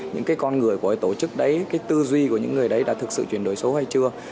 những cái con người của tổ chức đấy cái tư duy của những người đấy đã thực sự chuyển đổi số hay chưa